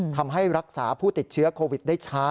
ทำให้รักษาผู้ติดเชื้อโควิดได้ช้า